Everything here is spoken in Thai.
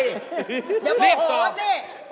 อย่ามาหอดสิ